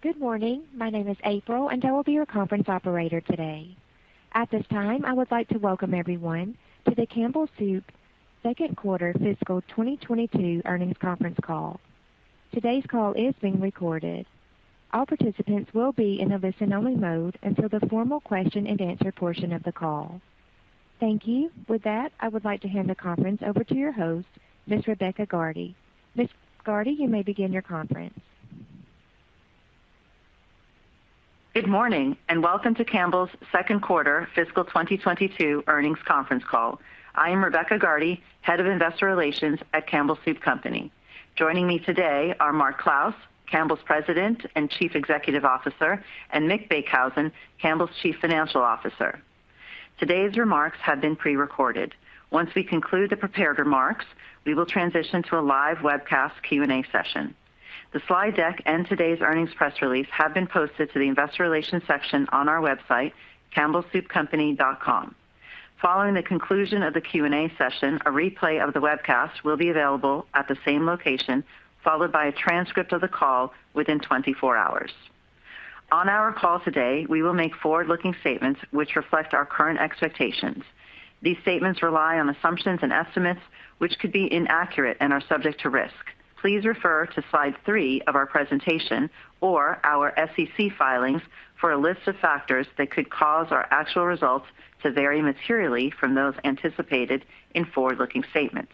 Good morning. My name is April, and I will be your conference operator today. At this time, I would like to welcome everyone to the Campbell Soup second quarter fiscal 2022 earnings conference call. Today's call is being recorded. All participants will be in a listen-only mode until the formal question-and-answer portion of the call. Thank you. With that, I would like to hand the conference over to your host, Ms. Rebecca Gardy. Ms. Gardy, you may begin your conference. Good morning, and welcome to Campbell's second quarter fiscal 2022 earnings conference call. I am Rebecca Gardy, Head of Investor Relations at Campbell Soup Company. Joining me today are Mark Clouse, Campbell's President and Chief Executive Officer, and Mick Beekhuizen, Campbell's Chief Financial Officer. Today's remarks have been pre-recorded. Once we conclude the prepared remarks, we will transition to a live webcast Q&A session. The slide deck and today's earnings press release have been posted to the investor relations section on our website, campbellsoupcompany.com. Following the conclusion of the Q&A session, a replay of the webcast will be available at the same location, followed by a transcript of the call within 24 hours. On our call today, we will make forward-looking statements which reflect our current expectations. These statements rely on assumptions and estimates which could be inaccurate and are subject to risk. Please refer to slide three of our presentation or our SEC filings for a list of factors that could cause our actual results to vary materially from those anticipated in forward-looking statements.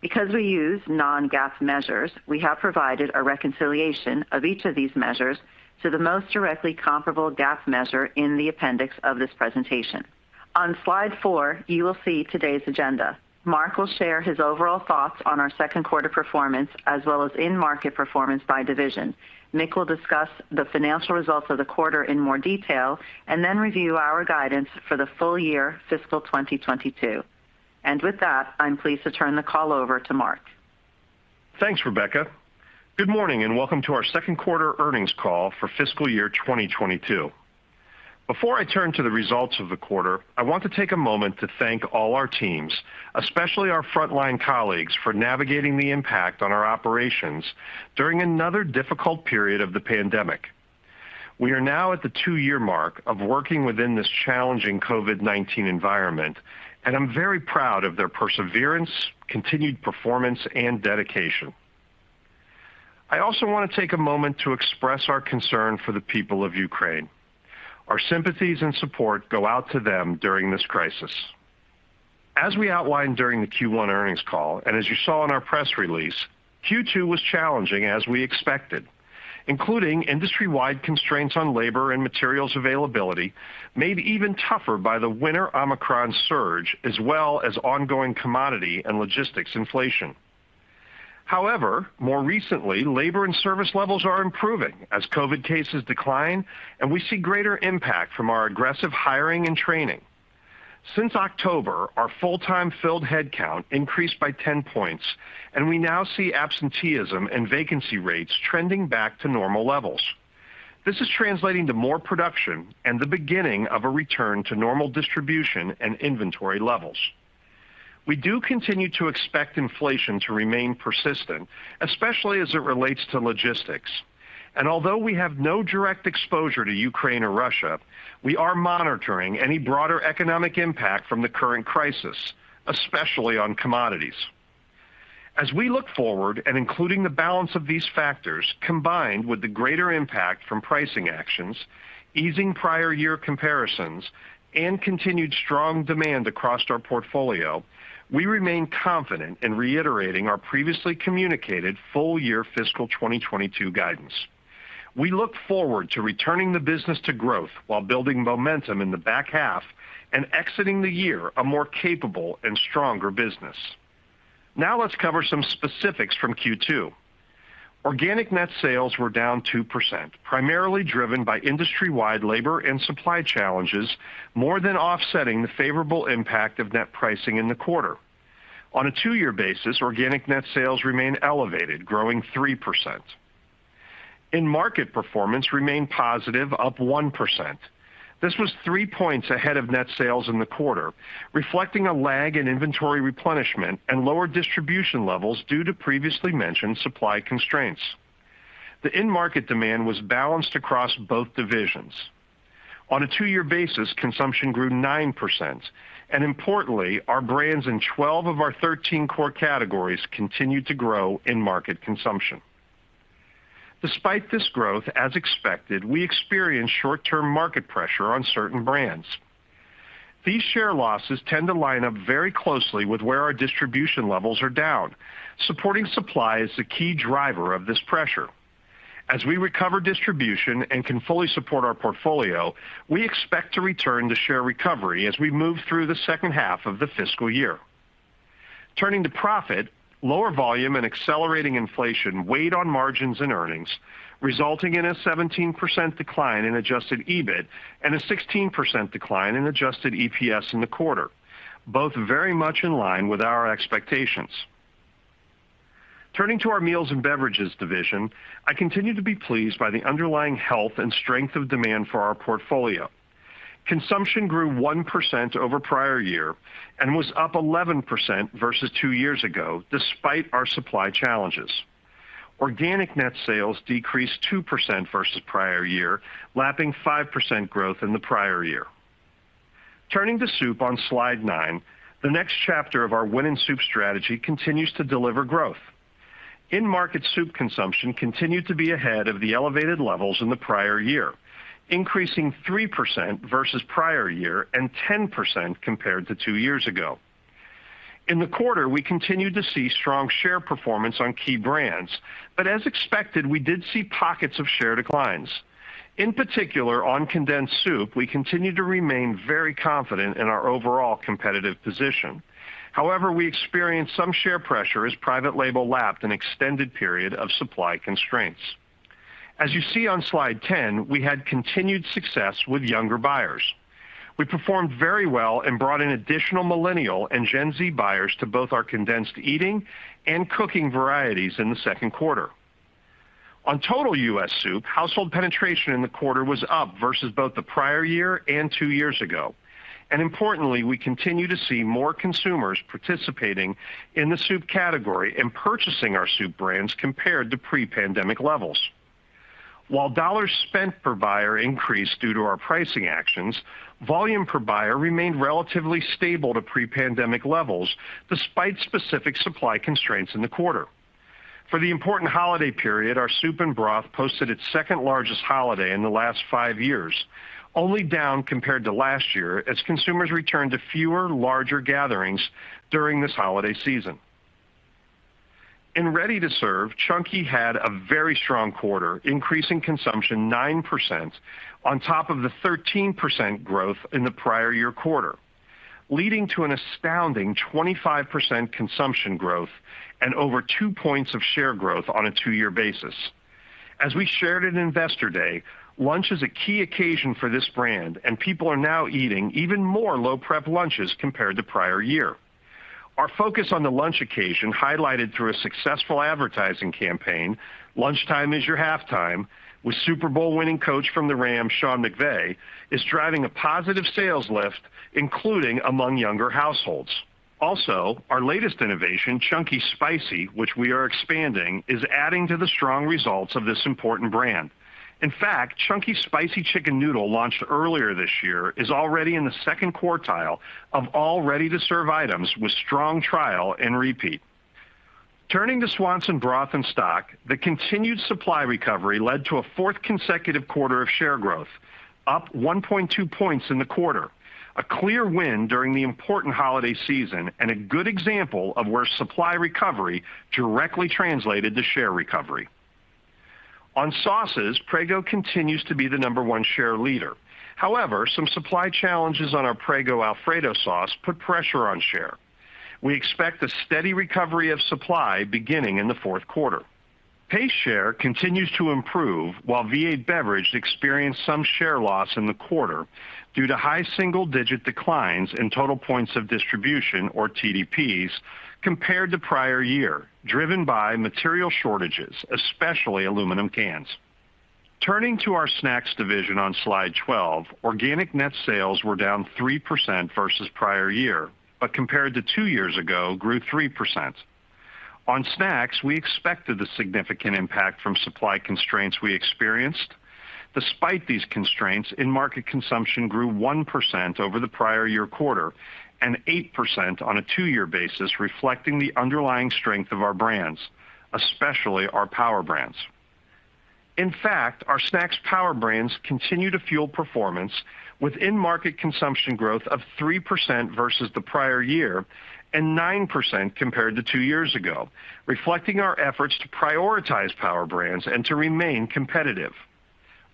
Because we use non-GAAP measures, we have provided a reconciliation of each of these measures to the most directly comparable GAAP measure in the appendix of this presentation. On slide four, you will see today's agenda. Mark will share his overall thoughts on our second quarter performance, as well as in-market performance by division. Mick will discuss the financial results of the quarter in more detail and then review our guidance for the full year fiscal 2022. With that, I'm pleased to turn the call over to Mark. Thanks, Rebecca. Good morning and welcome to our second quarter earnings call for fiscal year 2022. Before I turn to the results of the quarter, I want to take a moment to thank all our teams, especially our frontline colleagues, for navigating the impact on our operations during another difficult period of the pandemic. We are now at the two-year mark of working within this challenging COVID-19 environment, and I'm very proud of their perseverance, continued performance and dedication. I also want to take a moment to express our concern for the people of Ukraine. Our sympathies and support go out to them during this crisis. As we outlined during the Q1 earnings call, and as you saw in our press release, Q2 was challenging as we expected, including industry-wide constraints on labor and materials availability made even tougher by the winter Omicron surge, as well as ongoing commodity and logistics inflation. However, more recently, labor and service levels are improving as COVID cases decline and we see greater impact from our aggressive hiring and training. Since October, our full-time filled headcount increased by 10 points, and we now see absenteeism and vacancy rates trending back to normal levels. This is translating to more production and the beginning of a return to normal distribution and inventory levels. We do continue to expect inflation to remain persistent, especially as it relates to logistics. Although we have no direct exposure to Ukraine or Russia, we are monitoring any broader economic impact from the current crisis, especially on commodities. As we look forward and including the balance of these factors, combined with the greater impact from pricing actions, easing prior year comparisons and continued strong demand across our portfolio, we remain confident in reiterating our previously communicated full year fiscal 2022 guidance. We look forward to returning the business to growth while building momentum in the back half and exiting the year a more capable and stronger business. Now let's cover some specifics from Q2. Organic net sales were down 2%, primarily driven by industry-wide labor and supply challenges, more than offsetting the favorable impact of net pricing in the quarter. On a two-year basis, organic net sales remain elevated, growing 3%. In-market performance remained positive, up 1%. This was three points ahead of net sales in the quarter, reflecting a lag in inventory replenishment and lower distribution levels due to previously mentioned supply constraints. The in-market demand was balanced across both divisions. On a two-year basis, consumption grew 9%. Importantly, our brands in 12 of our 13 core categories continued to grow in market consumption. Despite this growth, as expected, we experienced short-term market pressure on certain brands. These share losses tend to line up very closely with where our distribution levels are down. Supporting supply is the key driver of this pressure. As we recover distribution and can fully support our portfolio, we expect to return to share recovery as we move through the second half of the fiscal year. Turning to profit, lower volume and accelerating inflation weighed on margins and earnings, resulting in a 17% decline in adjusted EBIT and a 16% decline in adjusted EPS in the quarter, both very much in line with our expectations. Turning to our meals and beverages division, I continue to be pleased by the underlying health and strength of demand for our portfolio. Consumption grew 1% over prior year and was up 11% versus two years ago, despite our supply challenges. Organic net sales decreased 2% versus prior year, lapping 5% growth in the prior year. Turning to soup on slide nine, the next chapter of our Win in Soup strategy continues to deliver growth. In-market soup consumption continued to be ahead of the elevated levels in the prior year, increasing 3% versus prior year and 10% compared to two years ago. In the quarter, we continued to see strong share performance on key brands, but as expected, we did see pockets of share declines. In particular, on condensed soup, we continue to remain very confident in our overall competitive position. However, we experienced some share pressure as private label lapped an extended period of supply constraints. As you see on slide 10, we had continued success with younger buyers. We performed very well and brought in additional Millennial and Gen Z buyers to both our condensed eating and cooking varieties in the second quarter. On total U.S. soup, household penetration in the quarter was up versus both the prior year and two years ago. Importantly, we continue to see more consumers participating in the soup category and purchasing our soup brands compared to pre-pandemic levels. While dollars spent per buyer increased due to our pricing actions, volume per buyer remained relatively stable to pre-pandemic levels despite specific supply constraints in the quarter. For the important holiday period, our soup and broth posted its second-largest holiday in the last five years, only down compared to last year as consumers returned to fewer, larger gatherings during this holiday season. In ready to serve, Chunky had a very strong quarter, increasing consumption 9% on top of the 13% growth in the prior year quarter, leading to an astounding 25% consumption growth and over two points of share growth on a two-year basis. As we shared at Investor Day, lunch is a key occasion for this brand, and people are now eating even more low prep lunches compared to prior year. Our focus on the lunch occasion, highlighted through a successful advertising campaign, Lunchtime is Your Halftime, with Super Bowl-winning coach from the Rams, Sean McVay, is driving a positive sales lift, including among younger households. Also, our latest innovation, Chunky Spicy, which we are expanding, is adding to the strong results of this important brand. In fact, Chunky Spicy Chicken Noodle, launched earlier this year, is already in the second quartile of all ready-to-serve items with strong trial and repeat. Turning to Swanson broth and stock, the continued supply recovery led to a fourth consecutive quarter of share growth, up 1.2 points in the quarter, a clear win during the important holiday season and a good example of where supply recovery directly translated to share recovery. On sauces, Prego continues to be the number one share leader. However, some supply challenges on our Prego Alfredo sauce put pressure on share. We expect a steady recovery of supply beginning in the fourth quarter. Pace share continues to improve while V8 Beverage experienced some share loss in the quarter due to high single-digit declines in total points of distribution, or TDPs, compared to prior year, driven by material shortages, especially aluminum cans. Turning to our snacks division on slide 12, organic net sales were down 3% versus prior year, but compared to two years ago, grew 3%. On snacks, we expected the significant impact from supply constraints we experienced. Despite these constraints, in-market consumption grew 1% over the prior year quarter and 8% on a two-year basis, reflecting the underlying strength of our brands, especially our Power Brands. In fact, our snacks Power Brands continue to fuel performance with in-market consumption growth of 3% versus the prior year and 9% compared to two years ago, reflecting our efforts to prioritize Power Brands and to remain competitive.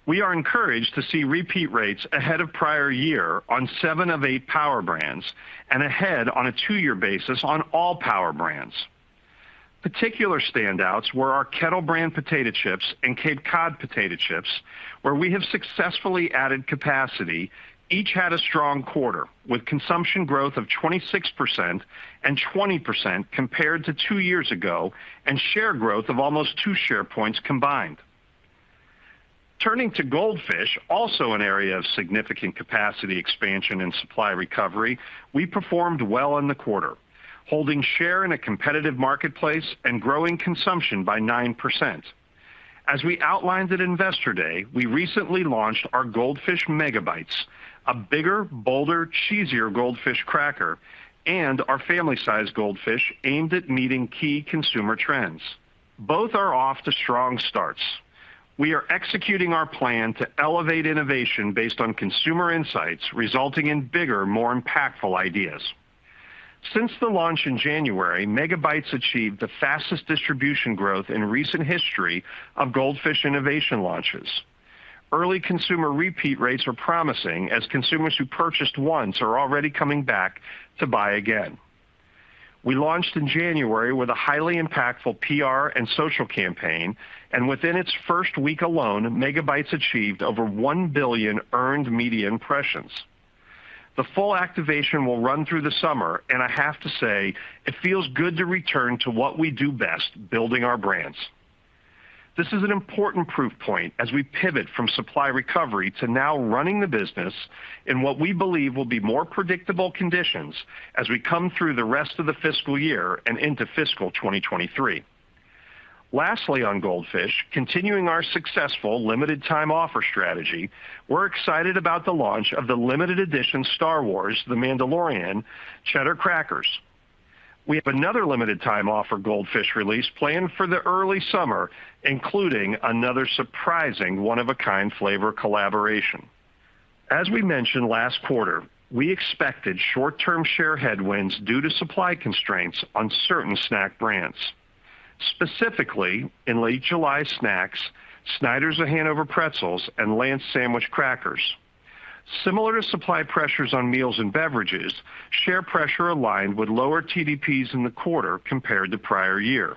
We are encouraged to see repeat rates ahead of prior year on seven of eight Power Brands and ahead on a two-year basis on all Power Brands. Particular standouts were our Kettle Brand potato chips and Cape Cod potato chips, where we have successfully added capacity, each had a strong quarter with consumption growth of 26% and 20% compared to two years ago and share growth of almost two share points combined. Turning to Goldfish, also an area of significant capacity expansion and supply recovery, we performed well in the quarter, holding share in a competitive marketplace and growing consumption by 9%. As we outlined at Investor Day, we recently launched our Goldfish Mega Bites, a bigger, bolder, cheesier Goldfish cracker, and our family-sized Goldfish aimed at meeting key consumer trends. Both are off to strong starts. We are executing our plan to elevate innovation based on consumer insights, resulting in bigger, more impactful ideas. Since the launch in January, Mega Bites achieved the fastest distribution growth in recent history of Goldfish innovation launches. Early consumer repeat rates are promising as consumers who purchased once are already coming back to buy again. We launched in January with a highly impactful PR and social campaign, and within its first week alone, Mega Bites achieved over 1 billion earned media impressions. The full activation will run through the summer, and I have to say it feels good to return to what we do best, building our brands. This is an important proof point as we pivot from supply recovery to now running the business in what we believe will be more predictable conditions as we come through the rest of the fiscal year and into fiscal 2023. Lastly, on Goldfish, continuing our successful limited time offer strategy, we're excited about the launch of the limited edition Star Wars: The Mandalorian cheddar crackers. We have another limited time offer Goldfish release planned for the early summer, including another surprising one of a kind flavor collaboration. As we mentioned last quarter, we expected short-term share headwinds due to supply constraints on certain snack brands, specifically in Late July snacks, Snyder's of Hanover Pretzels, and Lance Sandwich Crackers. Similar to supply pressures on meals and beverages, share pressure aligned with lower TDPs in the quarter compared to prior year.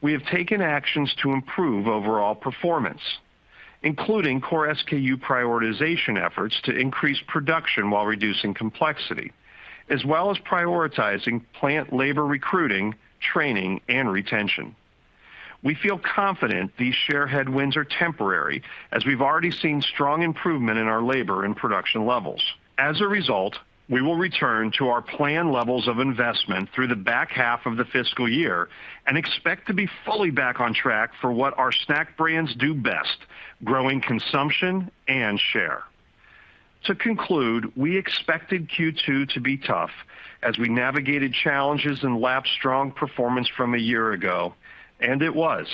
We have taken actions to improve overall performance, including core SKU prioritization efforts to increase production while reducing complexity, as well as prioritizing plant labor recruiting, training and retention. We feel confident these share headwinds are temporary as we've already seen strong improvement in our labor and production levels. As a result, we will return to our planned levels of investment through the back half of the fiscal year and expect to be fully back on track for what our snack brands do best, growing consumption and share. To conclude, we expected Q2 to be tough as we navigated challenges and lapped strong performance from a year ago, and it was.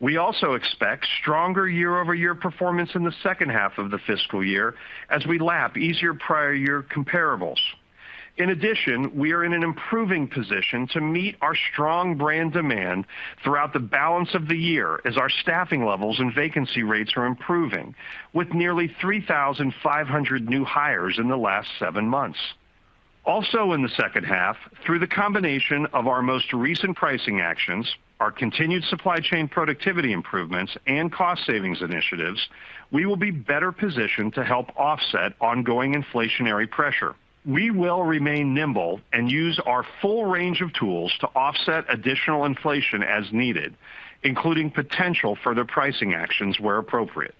We expect stronger year-over-year performance in the second half of the fiscal year as we lap easier prior year comparables. In addition, we are in an improving position to meet our strong brand demand throughout the balance of the year as our staffing levels and vacancy rates are improving with nearly 3,500 new hires in the last seven months. In the second half, through the combination of our most recent pricing actions, our continued supply chain productivity improvements and cost savings initiatives, we will be better positioned to help offset ongoing inflationary pressure. We will remain nimble and use our full range of tools to offset additional inflation as needed, including potential further pricing actions where appropriate.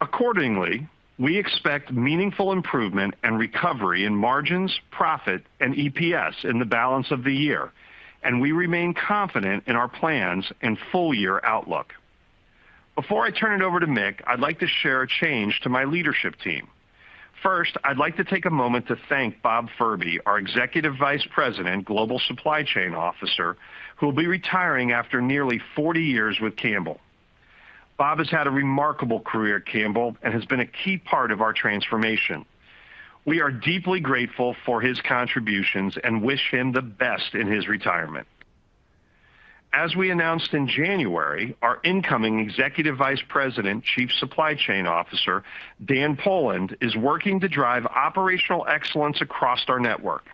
Accordingly, we expect meaningful improvement and recovery in margins, profit and EPS in the balance of the year, and we remain confident in our plans and full year outlook. Before I turn it over to Mick, I'd like to share a change to my leadership team. First, I'd like to take a moment to thank Bob Furbee, our Executive Vice President, Global Supply Chain Officer, who will be retiring after nearly 40 years with Campbell. Bob has had a remarkable career at Campbell and has been a key part of our transformation. We are deeply grateful for his contributions and wish him the best in his retirement. As we announced in January, our incoming Executive Vice President, Chief Supply Chain Officer, Dan Poland, is working to drive operational excellence across our network.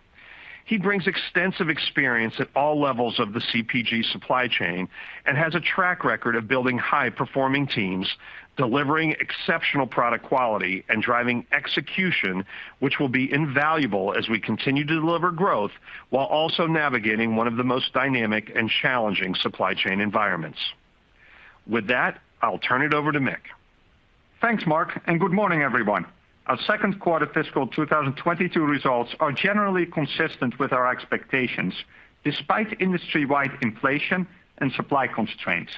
He brings extensive experience at all levels of the CPG supply chain and has a track record of building high performing teams, delivering exceptional product quality and driving execution, which will be invaluable as we continue to deliver growth while also navigating one of the most dynamic and challenging supply chain environments. With that, I'll turn it over to Mick. Thanks, Mark, and good morning, everyone. Our second quarter fiscal 2022 results are generally consistent with our expectations despite industry-wide inflation and supply constraints.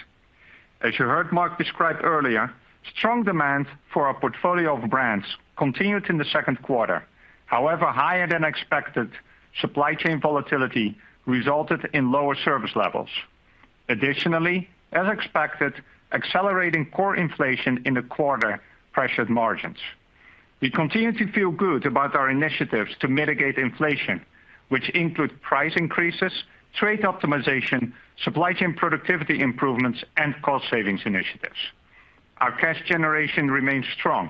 As you heard Mark describe earlier, strong demand for our portfolio of brands continued in the second quarter. However, higher than expected supply chain volatility resulted in lower service levels. Additionally, as expected, accelerating core inflation in the quarter pressured margins. We continue to feel good about our initiatives to mitigate inflation, which include price increases, trade optimization, supply chain productivity improvements, and cost savings initiatives. Our cash generation remains strong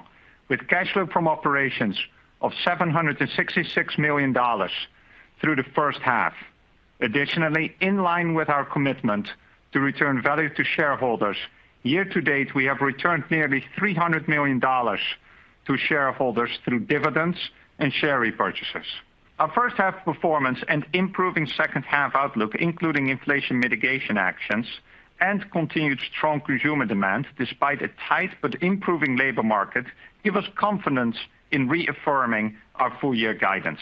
with cash flow from operations of $766 million through the first half. Additionally, in line with our commitment to return value to shareholders, year to date, we have returned nearly $300 million to shareholders through dividends and share repurchases. Our first half performance and improving second half outlook, including inflation mitigation actions and continued strong consumer demand despite a tight but improving labor market, give us confidence in reaffirming our full year guidance.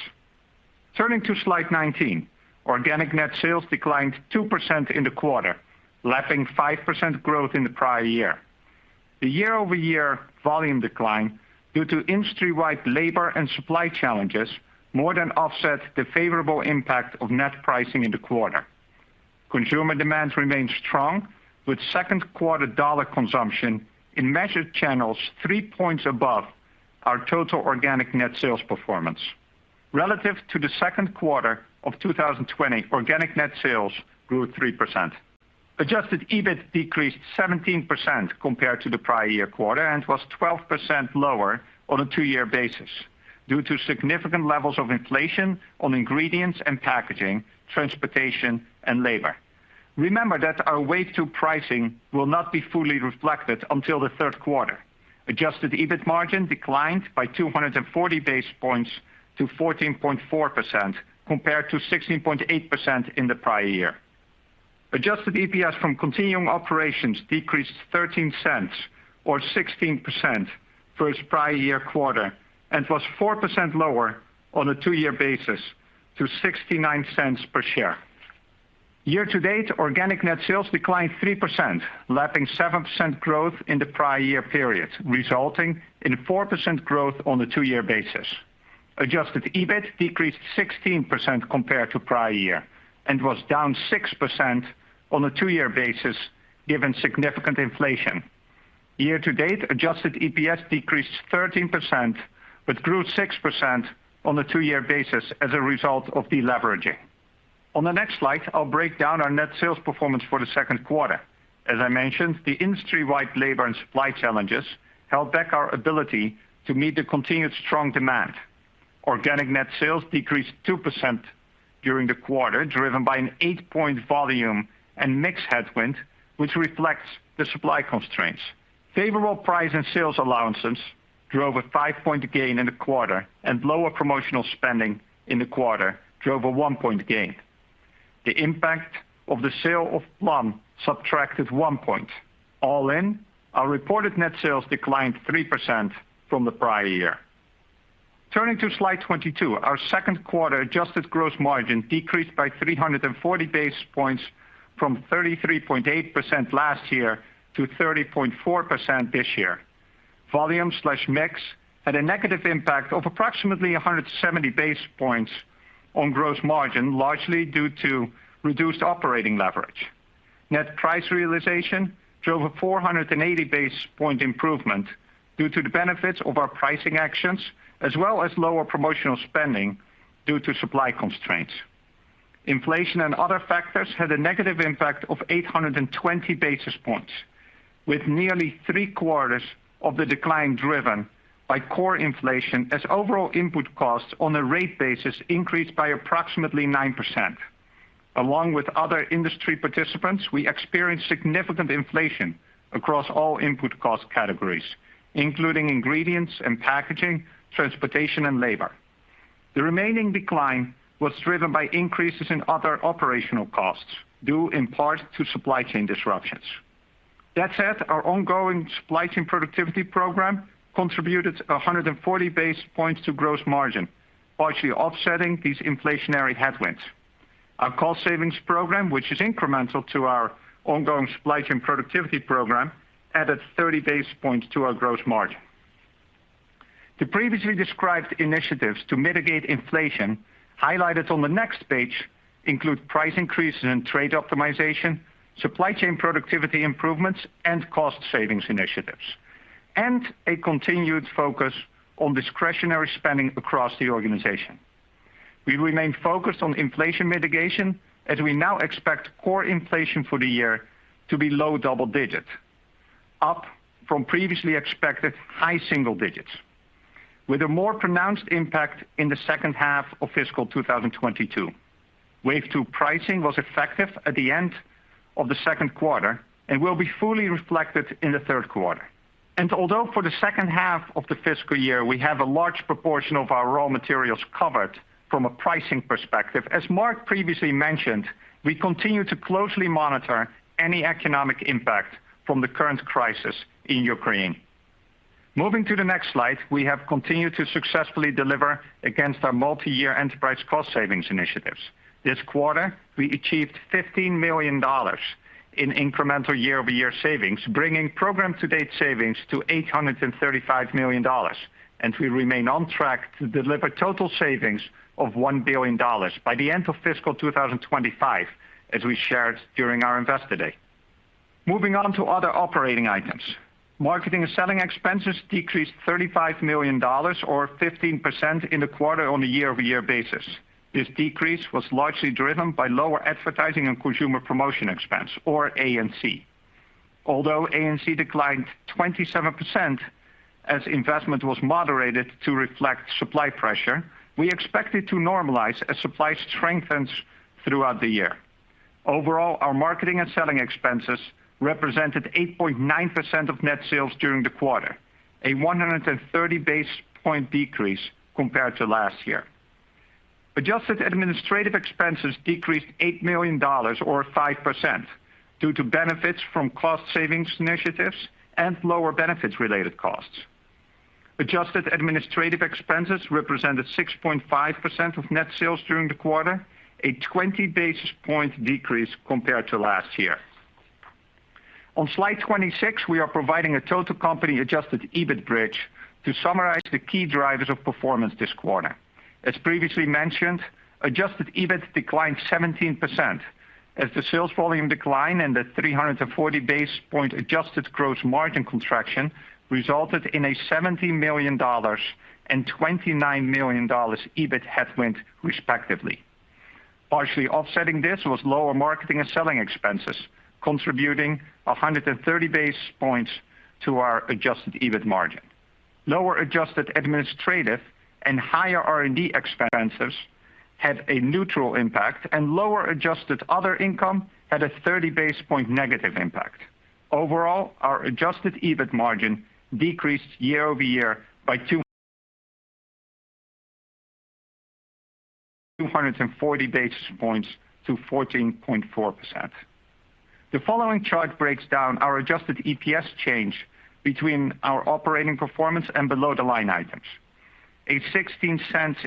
Turning to slide 19. Organic net sales declined 2% in the quarter, lapping 5% growth in the prior year. The year-over-year volume decline due to industry-wide labor and supply challenges more than offset the favorable impact of net pricing in the quarter. Consumer demand remains strong with second quarter dollar consumption in measured channels three points above our total organic net sales performance. Relative to the second quarter of 2020, organic net sales grew 3%. Adjusted EBIT decreased 17% compared to the prior year quarter and was 12% lower on a two-year basis due to significant levels of inflation on ingredients and packaging, transportation and labor. Remember that our wave two pricing will not be fully reflected until the third quarter. Adjusted EBIT margin declined by 240 basis points to 14.4%, compared to 16.8% in the prior year. Adjusted EPS from continuing operations decreased $0.13 or 16% versus prior year quarter, and was 4% lower on a two-year basis to $0.69 per share. Year to date, organic net sales declined 3%, lapping 7% growth in the prior year period, resulting in a 4% growth on a two-year basis. Adjusted EBIT decreased 16% compared to prior year and was down 6% on a two-year basis given significant inflation. Year to date, adjusted EPS decreased 13%, but grew 6% on a two-year basis as a result of deleveraging. On the next slide, I'll break down our net sales performance for the second quarter. As I mentioned, the industry-wide labor and supply challenges held back our ability to meet the continued strong demand. Organic net sales decreased 2% during the quarter, driven by an eight-point volume and mix headwind, which reflects the supply constraints. Favorable price and sales allowances drove a five-point gain in the quarter and lower promotional spending in the quarter drove a one-point gain. The impact of the sale of Plum subtracted one point. All in, our reported net sales declined 3% from the prior year. Turning to slide 22, our second quarter adjusted gross margin decreased by 340 basis points from 33.8% last year to 30.4% this year. Volume/mix had a negative impact of approximately 170 basis points on gross margin, largely due to reduced operating leverage. Net price realization drove a 480 basis point improvement due to the benefits of our pricing actions, as well as lower promotional spending due to supply constraints. Inflation and other factors had a negative impact of 820 basis points, with nearly three-quarters of the decline driven by core inflation as overall input costs on a rate basis increased by approximately 9%. Along with other industry participants, we experienced significant inflation across all input cost categories, including ingredients and packaging, transportation and labor. The remaining decline was driven by increases in other operational costs, due in part to supply chain disruptions. That said, our ongoing supply chain productivity program contributed 140 basis points to gross margin, partially offsetting these inflationary headwinds. Our cost savings program, which is incremental to our ongoing supply chain productivity program, added 30 basis points to our gross margin. The previously described initiatives to mitigate inflation highlighted on the next page include price increases and trade optimization, supply chain productivity improvements and cost savings initiatives, and a continued focus on discretionary spending across the organization. We remain focused on inflation mitigation as we now expect core inflation for the year to be low double digits, up from previously expected high single digits, with a more pronounced impact in the second half of fiscal 2022. Wave two pricing was effective at the end of the second quarter and will be fully reflected in the third quarter. Although for the second half of the fiscal year we have a large proportion of our raw materials covered from a pricing perspective, as Mark previously mentioned, we continue to closely monitor any economic impact from the current crisis in Ukraine. Moving to the next slide, we have continued to successfully deliver against our multi-year enterprise cost savings initiatives. This quarter, we achieved $15 million in incremental year-over-year savings, bringing program-to-date savings to $835 million. We remain on track to deliver total savings of $1 billion by the end of fiscal 2025, as we shared during our Investor Day. Moving on to other operating items. Marketing and selling expenses decreased $35 million or 15% in the quarter on a year-over-year basis. This decrease was largely driven by lower advertising and consumer promotion expense, or A&C. Although A&C declined 27% as investment was moderated to reflect supply pressure, we expect it to normalize as supply strengthens throughout the year. Overall, our marketing and selling expenses represented 8.9% of net sales during the quarter, a 130 basis point decrease compared to last year. Adjusted administrative expenses decreased $8 million or 5% due to benefits from cost savings initiatives and lower benefits-related costs. Adjusted administrative expenses represented 6.5% of net sales during the quarter, a 20 basis point decrease compared to last year. On slide 26, we are providing a total company adjusted EBIT bridge to summarize the key drivers of performance this quarter. As previously mentioned, adjusted EBIT declined 17% as the sales volume decline and the 340 basis points adjusted gross margin contraction resulted in a $70 million and $29 million EBIT headwind, respectively. Partially offsetting this was lower marketing and selling expenses, contributing 130 basis points to our adjusted EBIT margin. Lower adjusted administrative and higher R&D expenses had a neutral impact, and lower adjusted other income had a 30 basis points negative impact. Overall, our adjusted EBIT margin decreased year-over-year by 240 basis points to 14.4%. The following chart breaks down our adjusted EPS change between our operating performance and below-the-line items. A 16 cents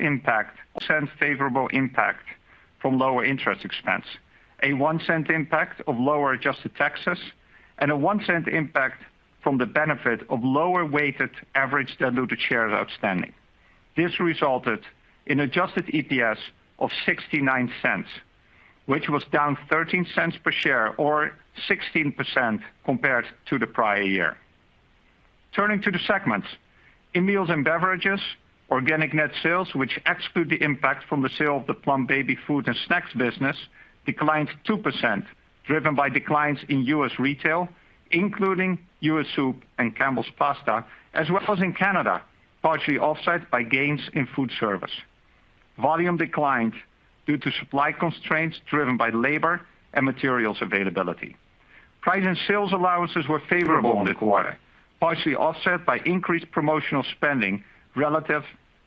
favorable impact from lower interest expense, a 1 cent impact of lower adjusted taxes, and a 1 cent impact from the benefit of lower weighted average diluted shares outstanding. This resulted in adjusted EPS of $0.69, which was down $0.13 per share or 16% compared to the prior year. Turning to the segments. In Meals and Beverages, organic net sales, which exclude the impact from the sale of the Plum baby food and snacks business, declined 2%, driven by declines in U.S. retail, including U.S. Soup and Campbell's Pasta, as well as in Canada, partially offset by gains in food service. Volume declined due to supply constraints driven by labor and materials availability. Price and sales allowances were favorable in the quarter, partially offset by increased promotional spending relative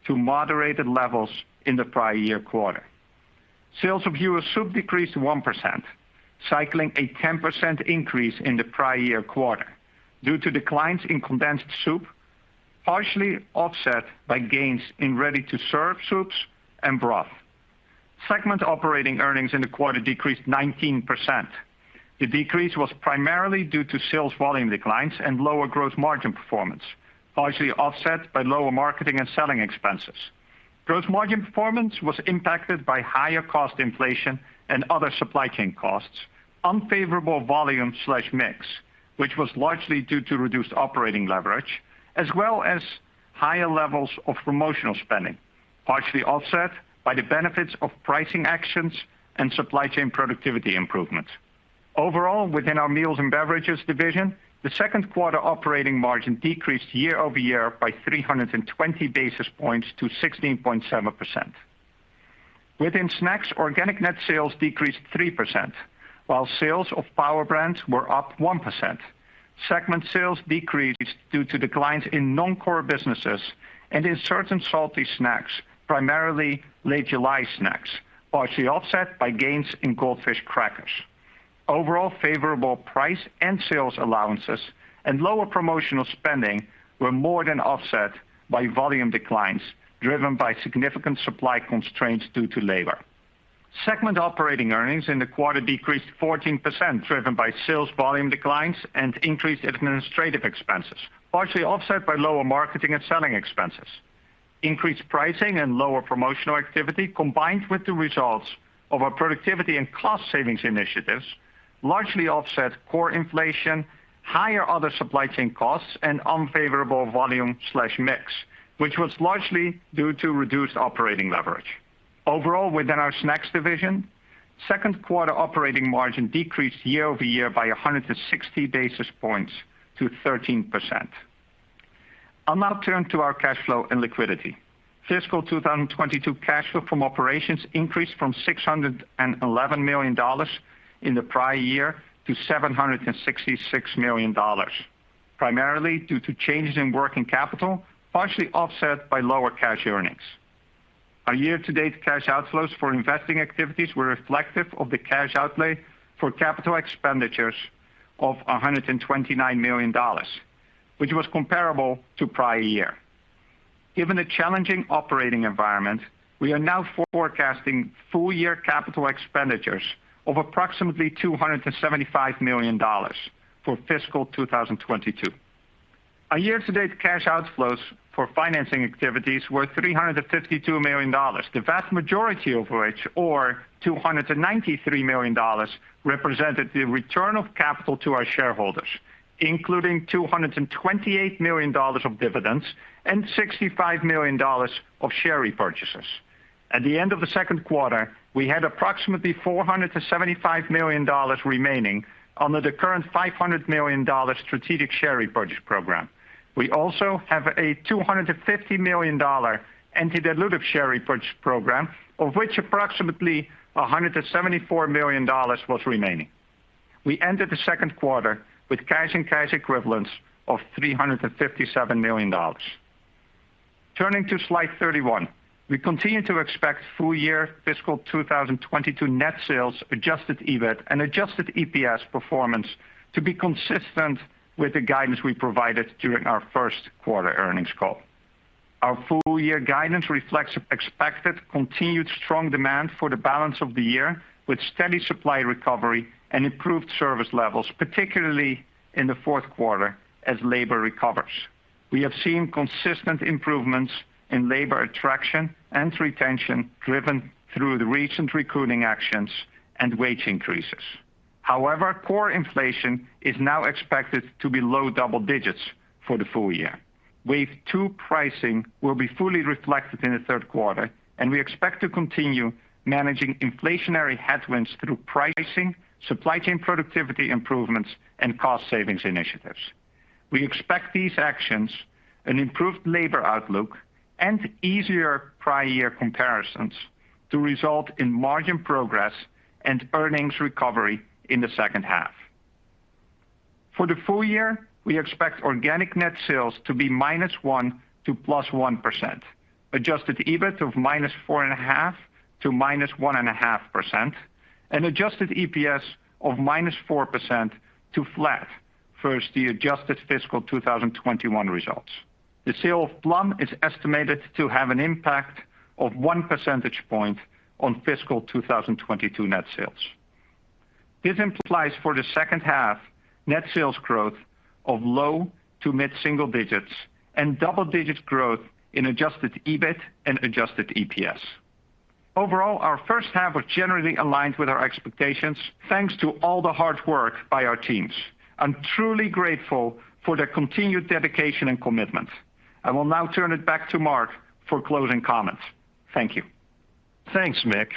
to moderated levels in the prior year quarter. Sales of U.S. Soup decreased 1%, cycling a 10% increase in the prior year quarter due to declines in condensed soup, partially offset by gains in ready-to-serve soups and broth. Segment operating earnings in the quarter decreased 19%. The decrease was primarily due to sales volume declines and lower gross margin performance, partially offset by lower marketing and selling expenses. Gross margin performance was impacted by higher cost inflation and other supply chain costs, unfavorable volume/mix, which was largely due to reduced operating leverage, as well as higher levels of promotional spending, partially offset by the benefits of pricing actions and supply chain productivity improvements. Overall, within our Meals and Beverages division, the second quarter operating margin decreased year-over-year by 320 basis points to 16.7%. Within snacks, organic net sales decreased 3%, while sales of Power Brands were up 1%. Segment sales decreased due to declines in non-core businesses and in certain salty snacks, primarily Late July snacks, partially offset by gains in Goldfish crackers. Overall favorable price and sales allowances and lower promotional spending were more than offset by volume declines driven by significant supply constraints due to labor. Segment operating earnings in the quarter decreased 14% driven by sales volume declines and increased administrative expenses, partially offset by lower marketing and selling expenses. Increased pricing and lower promotional activity, combined with the results of our productivity and cost savings initiatives, largely offset core inflation, higher other supply chain costs, and unfavorable volume/mix, which was largely due to reduced operating leverage. Overall, within our snacks division, second quarter operating margin decreased year-over-year by 160 basis points to 13%. I'll now turn to our cash flow and liquidity. Fiscal 2022 cash flow from operations increased from $611 million in the prior year to $766 million, primarily due to changes in working capital, partially offset by lower cash earnings. Our year-to-date cash outflows for investing activities were reflective of the cash outlay for capital expenditures of $129 million, which was comparable to prior year. Given the challenging operating environment, we are now forecasting full-year capital expenditures of approximately $275 million for Fiscal 2022. Our year-to-date cash outflows for financing activities were $352 million, the vast majority of which or $293 million represented the return of capital to our shareholders, including $228 million of dividends and $65 million of share repurchases. At the end of the second quarter, we had approximately $475 million remaining under the current $500 million strategic share repurchase program. We also have a $250 million anti-dilutive share repurchase program, of which approximately $174 million was remaining. We ended the second quarter with cash and cash equivalents of $357 million. Turning to slide 31. We continue to expect full-year fiscal 2022 net sales, adjusted EBIT, and adjusted EPS performance to be consistent with the guidance we provided during our first quarter earnings call. Our full-year guidance reflects expected continued strong demand for the balance of the year with steady supply recovery and improved service levels, particularly in the fourth quarter as labor recovers. We have seen consistent improvements in labor attraction and retention driven through the recent recruiting actions and wage increases. However, core inflation is now expected to be low double digits for the full year. Wave two pricing will be fully reflected in the third quarter, and we expect to continue managing inflationary headwinds through pricing, supply chain productivity improvements, and cost savings initiatives. We expect these actions and improved labor outlook and easier prior year comparisons to result in margin progress and earnings recovery in the second half. For the full year, we expect organic net sales to be -1% to +1%, adjusted EBIT of -4.5% to -1.5%, and adjusted EPS of -4% to flat for the adjusted fiscal 2021 results. The sale of Plum is estimated to have an impact of 1 percentage point on fiscal 2022 net sales. This implies for the second half net sales growth of low to mid single digits and double-digit growth in adjusted EBIT and adjusted EPS. Overall, our first half was generally aligned with our expectations, thanks to all the hard work by our teams. I'm truly grateful for their continued dedication and commitment. I will now turn it back to Mark for closing comments. Thank you. Thanks, Mick.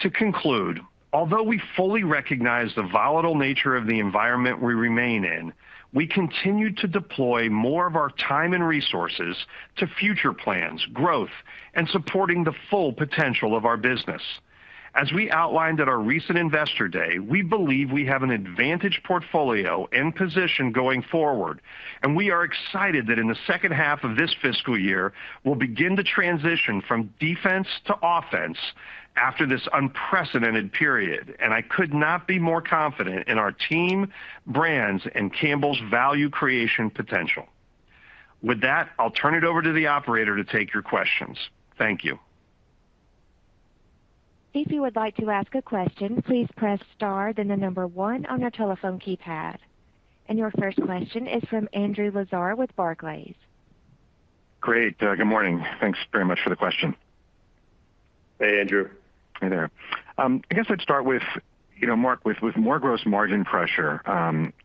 To conclude, although we fully recognize the volatile nature of the environment we remain in, we continue to deploy more of our time and resources to future plans, growth, and supporting the full potential of our business. As we outlined at our recent Investor Day, we believe we have an advantage portfolio and position going forward, and we are excited that in the second half of this fiscal year, we'll begin to transition from defense to offense after this unprecedented period. I could not be more confident in our team, brands, and Campbell's value creation potential. With that, I'll turn it over to the operator to take your questions. Thank you. Your first question is from Andrew Lazar with Barclays. Great. Good morning. Thanks very much for the question. Hey, Andrew. Hey there. I guess I'd start with, you know, Mark, with more gross margin pressure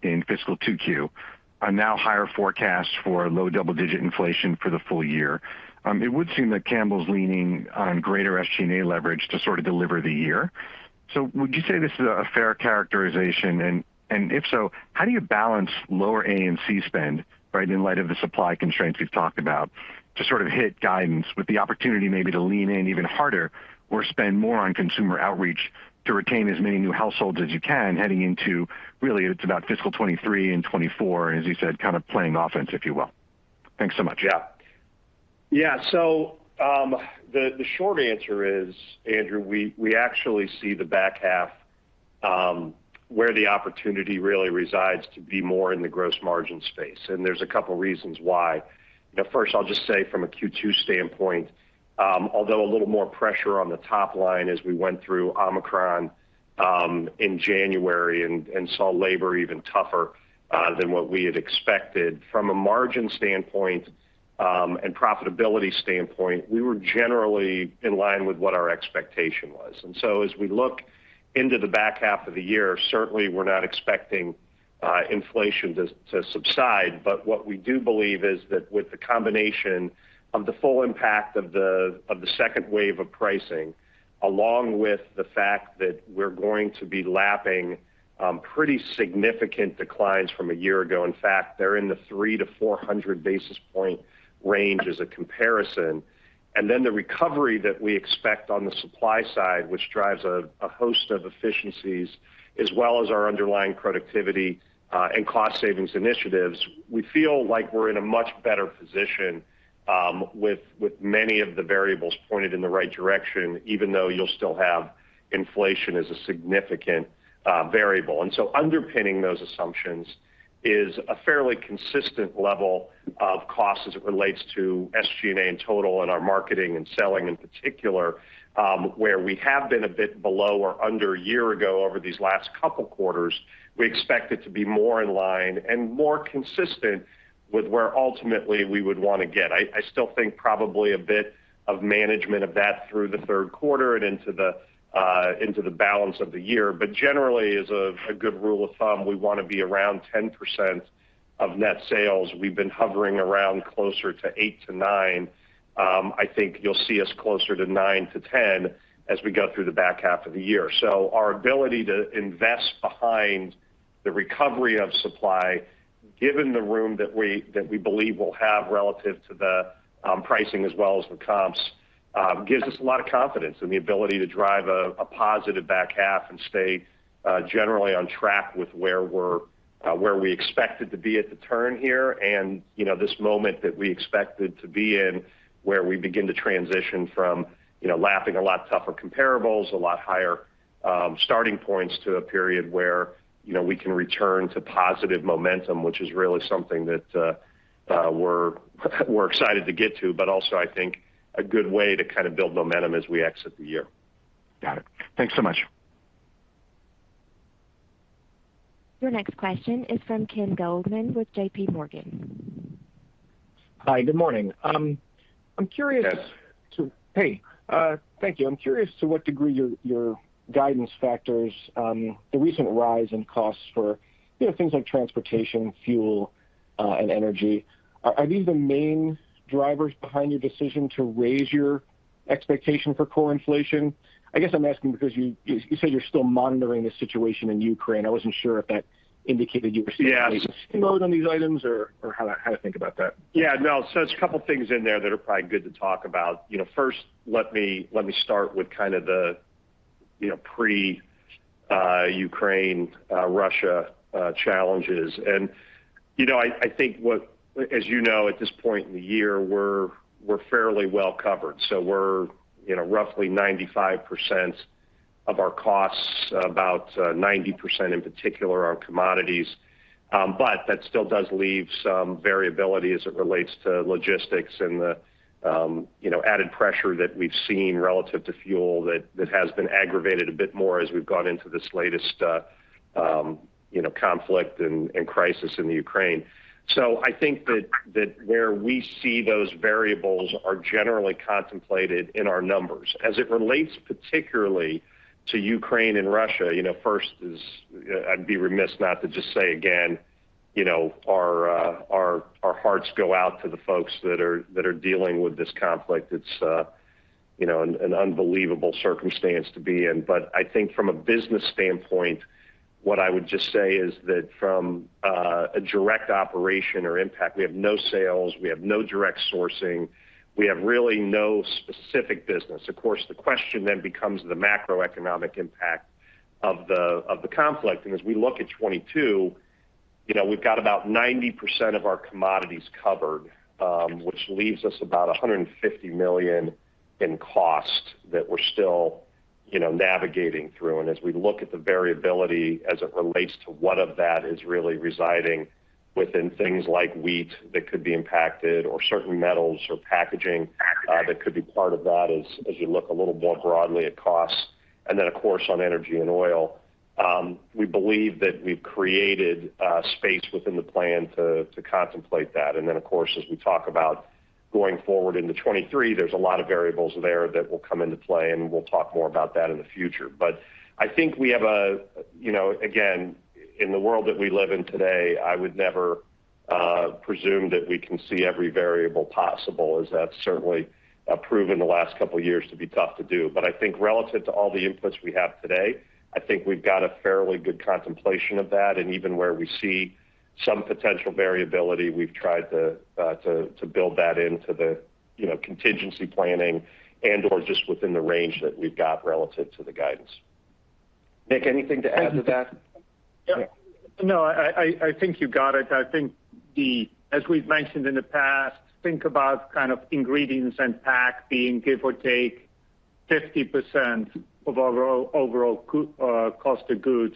in fiscal 2Q, a now higher forecast for low double-digit inflation for the full year, it would seem that Campbell's leaning on greater SG&A leverage to sort of deliver the year. Would you say this is a fair characterization? If so, how do you balance lower A&C spend, right? In light of the supply constraints you've talked about to sort of hit guidance with the opportunity maybe to lean in even harder or spend more on consumer outreach to retain as many new households as you can heading into really it's about fiscal 2023 and 2024, as you said, kind of playing offense, if you will. Thanks so much. The short answer is, Andrew, we actually see the back half where the opportunity really resides to be more in the gross margin space. There's a couple reasons why. First, I'll just say from a Q2 standpoint, although a little more pressure on the top line as we went through Omicron in January and saw labor even tougher than what we had expected. From a margin standpoint and profitability standpoint, we were generally in line with what our expectation was. As we look into the back half of the year, certainly we're not expecting inflation to subside. What we do believe is that with the combination of the full impact of the second wave of pricing, along with the fact that we're going to be lapping pretty significant declines from a year ago. In fact, they're in the 300-400 basis point range as a comparison. The recovery that we expect on the supply side, which drives a host of efficiencies as well as our underlying productivity, and cost savings initiatives, we feel like we're in a much better position, with many of the variables pointed in the right direction, even though you'll still have inflation as a significant variable. Underpinning those assumptions is a fairly consistent level of cost as it relates to SG&A in total and our marketing and selling in particular, where we have been a bit below or under a year ago over these last couple quarters. We expect it to be more in line and more consistent with where ultimately we would want to get. I still think probably a bit of management of that through the third quarter and into the balance of the year. Generally, as a good rule of thumb, we want to be around 10% of net sales. We've been hovering around closer to 8%-9%. I think you'll see us closer to 9%-10% as we go through the back half of the year. Our ability to invest behind the recovery of supply, given the room that we believe we'll have relative to the pricing as well as the comps, gives us a lot of confidence in the ability to drive a positive back half and stay generally on track with where we expected to be at the turn here. You know, this moment that we expected to be in, where we begin to transition from, you know, lapping a lot tougher comparables, a lot higher starting points to a period where, you know, we can return to positive momentum, which is really something that we're excited to get to, but also I think a good way to kind of build momentum as we exit the year. Got it. Thanks so much. Your next question is from Ken Goldman with JPMorgan. Hi, good morning. I'm curious- Yes. Hey, thank you. I'm curious to what degree your guidance factors the recent rise in costs for, you know, things like transportation, fuel, and energy. Are these the main drivers behind your decision to raise your Expectation for core inflation. I guess I'm asking because you said you're still monitoring the situation in Ukraine. I wasn't sure if that indicated you were- Yeah. seeing mode on these items or how to think about that. There's a couple things in there that are probably good to talk about. You know, first, let me start with kind of the, you know, pre-Ukraine, Russia challenges. You know, I think as you know, at this point in the year we're fairly well covered. We're, you know, roughly 95% of our costs, about 90% in particular are commodities. But that still does leave some variability as it relates to logistics and the, you know, added pressure that we've seen relative to fuel that has been aggravated a bit more as we've gone into this latest, you know, conflict and crisis in the Ukraine. I think that where we see those variables are generally contemplated in our numbers. As it relates particularly to Ukraine and Russia, you know, first is, I'd be remiss not to just say again, you know, our hearts go out to the folks that are dealing with this conflict. It's, you know, an unbelievable circumstance to be in. But I think from a business standpoint, what I would just say is that from a direct operation or impact, we have no sales, we have no direct sourcing, we have really no specific business. Of course, the question then becomes the macroeconomic impact of the conflict. As we look at 2022, you know, we've got about 90% of our commodities covered, which leaves us about $150 million in cost that we're still, you know, navigating through. As we look at the variability as it relates to what of that is really residing within things like wheat that could be impacted or certain metals or packaging that could be part of that as you look a little more broadly at costs. Then of course on energy and oil, we believe that we've created space within the plan to contemplate that. Then of course, as we talk about going forward into 2023, there's a lot of variables there that will come into play, and we'll talk more about that in the future. I think we have. You know, again, in the world that we live in today, I would never presume that we can see every variable possible, as that's certainly proven the last couple years to be tough to do. I think relative to all the inputs we have today, I think we've got a fairly good contemplation of that. Even where we see some potential variability, we've tried to build that into the you know, contingency planning and/or just within the range that we've got relative to the guidance. Mick, anything to add to that? Yeah. No, I think you got it. I think. As we've mentioned in the past, think about kind of ingredients and pack being give or take 50% of our overall cost of goods.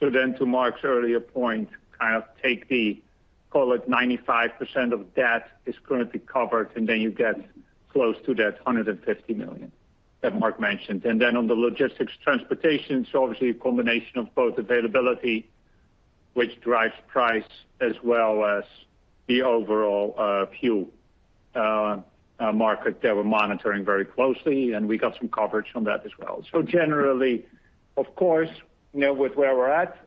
To Mark's earlier point, kind of take the, call it 95% of that is currently covered, and then you get close to that $150 million that Mark mentioned. On the logistics transportation, it's obviously a combination of both availability, which drives price as well as the overall fuel market that we're monitoring very closely, and we got some coverage on that as well. Generally, of course, you know, with where we're at,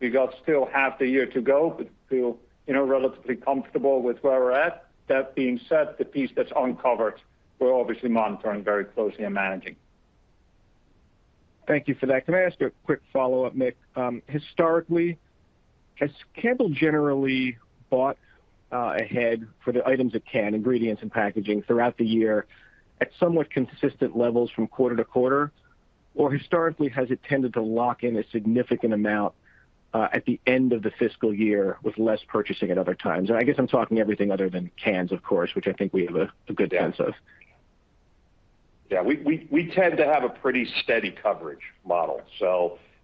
we got still half the year to go, but feel, you know, relatively comfortable with where we're at. That being said, the piece that's uncovered, we're obviously monitoring very closely and managing. Thank you for that. Can I ask you a quick follow-up, Mick? Historically, has Campbell generally bought ahead for the items it can, ingredients and packaging, throughout the year at somewhat consistent levels from quarter to quarter? Or historically, has it tended to lock in a significant amount at the end of the fiscal year with less purchasing at other times? I guess I'm talking everything other than cans, of course, which I think we have a good sense of. Yeah. We tend to have a pretty steady coverage model.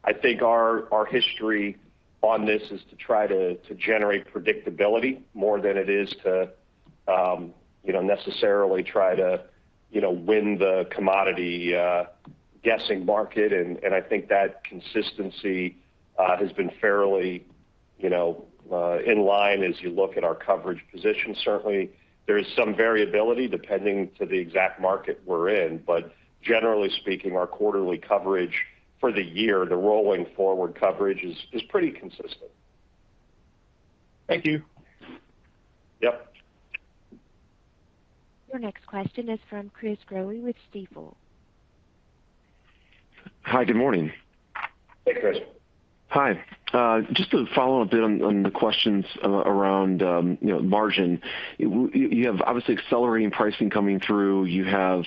I think our history on this is to try to generate predictability more than it is to, you know, necessarily try to, you know, win the commodity guessing market. I think that consistency has been fairly, you know, in line as you look at our coverage position. Certainly, there is some variability depending on the exact market we're in. Generally speaking, our quarterly coverage for the year, the rolling forward coverage is pretty consistent. Thank you. Yep. Your next question is from Chris Growe with Stifel. Hi, good morning. Hey, Chris. Hi. Just to follow up on the questions around, you know, margin. You have obviously accelerating pricing coming through. You have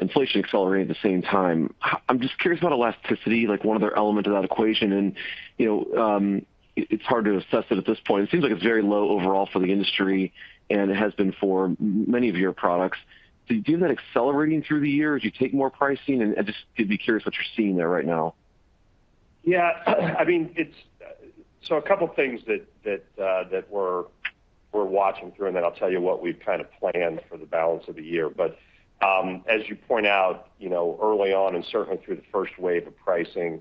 inflation accelerating at the same time. I'm just curious about elasticity, like what other element of that equation and, you know, it's hard to assess it at this point. It seems like it's very low overall for the industry and it has been for many of your products. Do you see that accelerating through the year as you take more pricing? And I'd be curious what you're seeing there right now. Yeah. I mean, it's a couple things that we're watching through, and then I'll tell you what we've kind of planned for the balance of the year. As you point out, you know, early on and certainly through the first wave of pricing,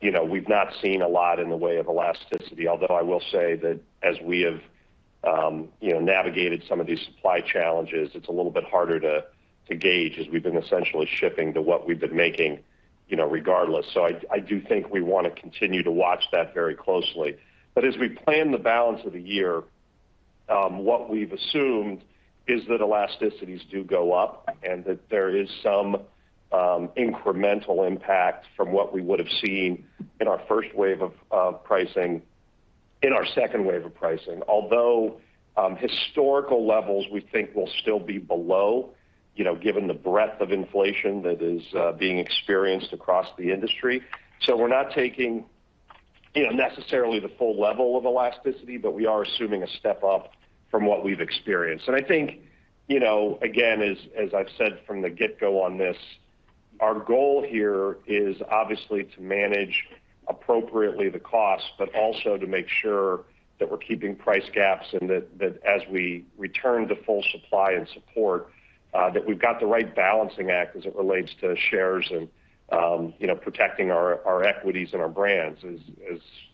you know, we've not seen a lot in the way of elasticity. Although I will say that as we have, you know, navigated some of these supply challenges, it's a little bit harder to gauge as we've been essentially shipping to what we've been making, you know, regardless. I do think we wanna continue to watch that very closely. As we plan the balance of the year, what we've assumed is that elasticities do go up and that there is some incremental impact from what we would have seen in our first wave of pricing in our second wave of pricing. Although historical levels, we think, will still be below, you know, given the breadth of inflation that is being experienced across the industry. We're not taking, you know, necessarily the full level of elasticity, but we are assuming a step up from what we've experienced. I think, you know, again, as I've said from the get-go on this, our goal here is obviously to manage appropriately the cost, but also to make sure that we're keeping price gaps and that as we return to full supply and support, that we've got the right balancing act as it relates to shares and, you know, protecting our equities and our brands. As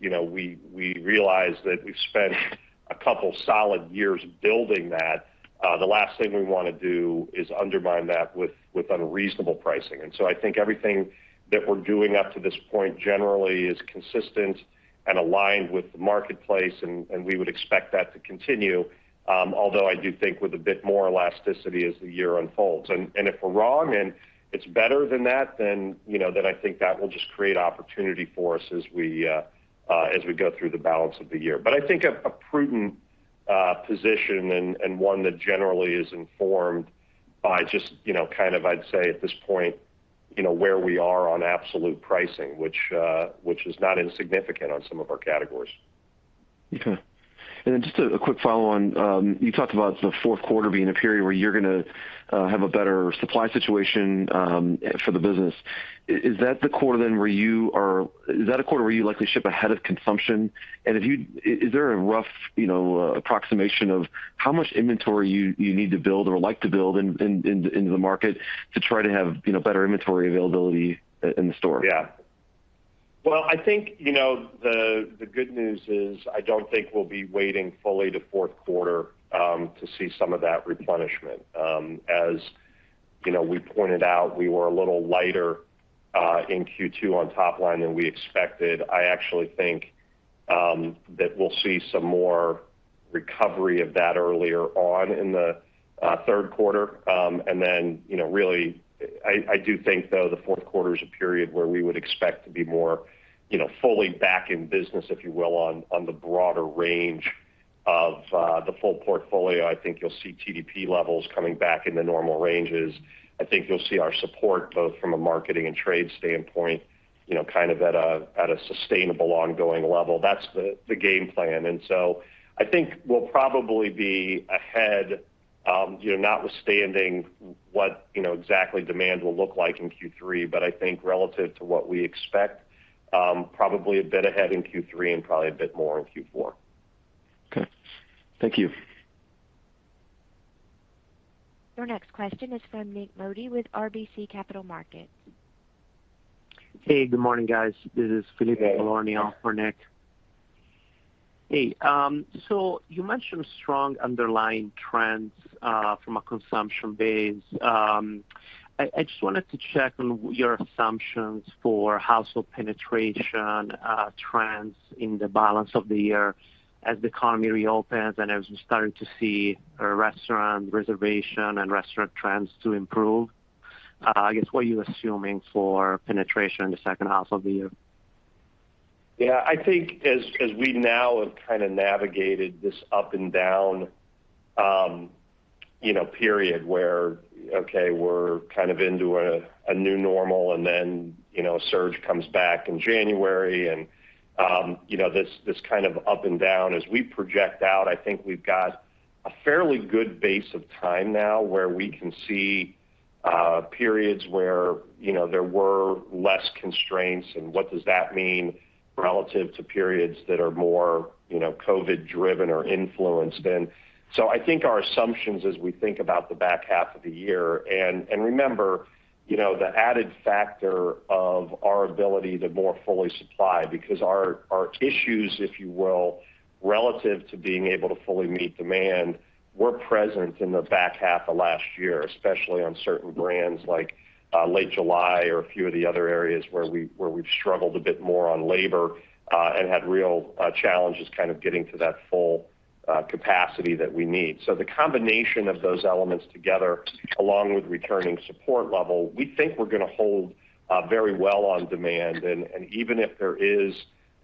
you know, we realize that we've spent a couple solid years building that, the last thing we wanna do is undermine that with unreasonable pricing. I think everything that we're doing up to this point generally is consistent and aligned with the marketplace, and we would expect that to continue, although I do think with a bit more elasticity as the year unfolds. If we're wrong and it's better than that, then you know I think that will just create opportunity for us as we go through the balance of the year. I think a prudent position and one that generally is informed by just you know kind of I'd say at this point you know where we are on absolute pricing, which is not insignificant on some of our categories. Okay. Then just a quick follow-on. You talked about the fourth quarter being a period where you're gonna have a better supply situation for the business. Is that a quarter where you likely ship ahead of consumption? Is there a rough, you know, approximation of how much inventory you need to build or like to build into the market to try to have, you know, better inventory availability in the store? Yeah. Well, I think, you know, the good news is I don't think we'll be waiting fully to fourth quarter to see some of that replenishment. As you know, we pointed out, we were a little lighter in Q2 on top line than we expected. I actually think that we'll see some more recovery of that earlier on in the third quarter. And then, you know, really, I do think, though, the fourth quarter is a period where we would expect to be more, you know, fully back in business, if you will, on the broader range of the full portfolio. I think you'll see TDP levels coming back in the normal ranges. I think you'll see our support both from a marketing and trade standpoint, you know, kind of at a sustainable ongoing level. That's the game plan. I think we'll probably be ahead, you know, notwithstanding what, you know, exactly demand will look like in Q3, but I think relative to what we expect, probably a bit ahead in Q3 and probably a bit more in Q4. Okay. Thank you. Your next question is from Nik Modi with RBC Capital Markets. Hey, good morning, guys. This is Philip McLaughlin for Nik. Hey. Hey. You mentioned strong underlying trends from a consumption base. I just wanted to check on your assumptions for household penetration trends in the balance of the year as the economy reopens and as we're starting to see restaurant reservation and restaurant trends improve. I guess, what are you assuming for penetration in the second half of the year? Yeah. I think as we now have kinda navigated this up and down, you know, period where we're kind of into a new normal and then, you know, a surge comes back in January and, you know, this kind of up and down. As we project out, I think we've got a fairly good basis of time now where we can see periods where, you know, there were less constraints and what does that mean relative to periods that are more, you know, COVID driven or influenced. I think our assumptions as we think about the back half of the year, and remember, you know, the added factor of our ability to more fully supply because our issues, if you will, relative to being able to fully meet demand were present in the back half of last year, especially on certain brands like Late July or a few of the other areas where we've struggled a bit more on labor and had real challenges kind of getting to that full capacity that we need. The combination of those elements together, along with returning support level, we think we're gonna hold very well on demand. Even if there is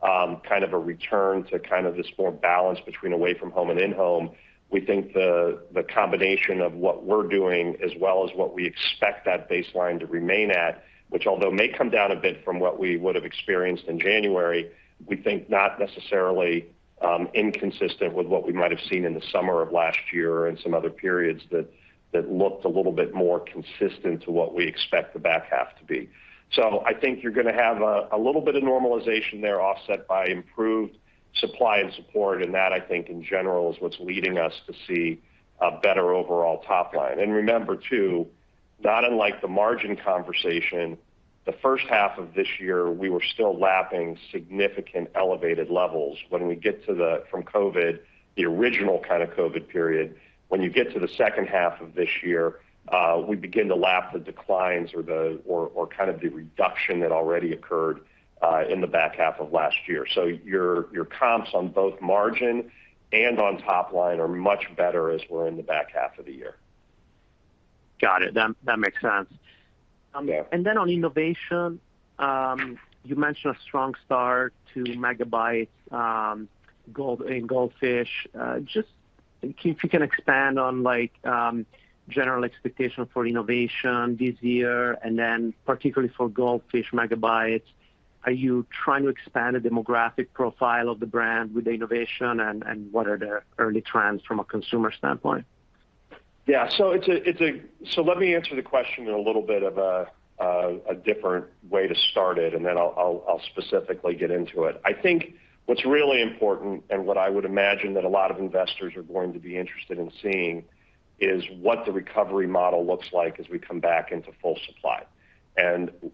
kind of a return to kind of this more balance between away from home and in-home, we think the combination of what we're doing as well as what we expect that baseline to remain at, which although may come down a bit from what we would have experienced in January, we think not necessarily inconsistent with what we might have seen in the summer of last year and some other periods that looked a little bit more consistent to what we expect the back half to be. I think you're gonna have a little bit of normalization there offset by improved supply and support, and that I think in general is what's leading us to see a better overall top line. Remember, too, not unlike the margin conversation, the first half of this year, we were still lapping significant elevated levels. When we get to from COVID, the original kind of COVID period, when you get to the second half of this year, we begin to lap the declines or kind of the reduction that already occurred in the back half of last year. Your comps on both margin and on top line are much better as we're in the back half of the year. Got it. That makes sense. Yeah. On innovation, you mentioned a strong start to Goldfish Mega Bites. Just if you can expand on like, general expectation for innovation this year, and then particularly for Goldfish Mega Bites, are you trying to expand the demographic profile of the brand with the innovation and what are the early trends from a consumer standpoint? Let me answer the question in a little bit of a different way to start it, and then I'll specifically get into it. I think what's really important and what I would imagine that a lot of investors are going to be interested in seeing is what the recovery model looks like as we come back into full supply.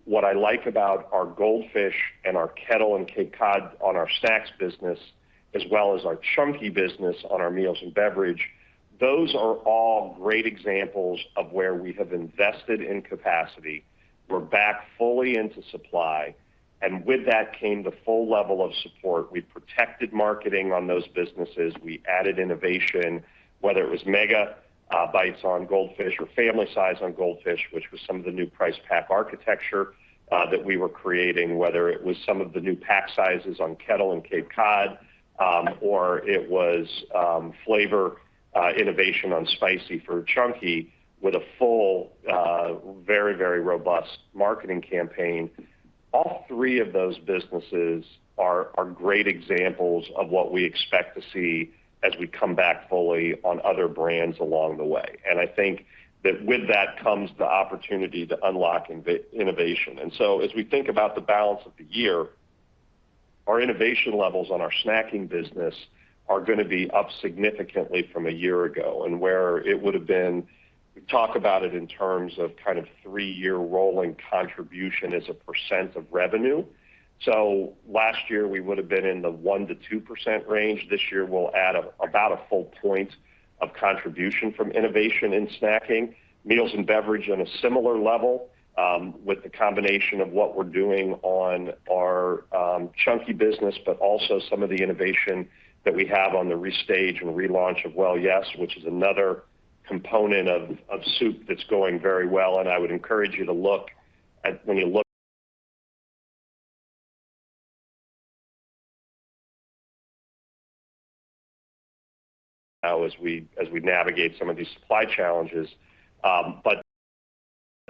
What I like about our Goldfish and our Kettle and Cape Cod on our snacks business, as well as our Chunky business on our meals and beverage, those are all great examples of where we have invested in capacity. We're back fully into supply, and with that came the full level of support. We protected marketing on those businesses. We added innovation, whether it was Mega Bites on Goldfish or family size on Goldfish, which was some of the new price pack architecture that we were creating, whether it was some of the new pack sizes on Kettle and Cape Cod, or it was flavor innovation on Chunky Spicy with a full very very robust marketing campaign. All three of those businesses are great examples of what we expect to see as we come back fully on other brands along the way. I think that with that comes the opportunity to unlock innovation. As we think about the balance of the year, our innovation levels on our snacking business are gonna be up significantly from a year ago. Where it would have been, we talk about it in terms of kind of three-year rolling contribution as a percent of revenue. Last year, we would have been in the 1%-2% range. This year, we'll add about a full point of contribution from innovation in snacking, meals and beverage on a similar level, with the combination of what we're doing on our Chunky business, but also some of the innovation that we have on the restage and relaunch of Well Yes!, which is another component of soup that's going very well. I would encourage you to look at when you look now as we navigate some of these supply challenges. But